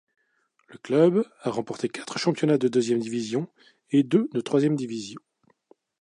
Le club a remporté quatre championnat de deuxième division et deux de troisième division.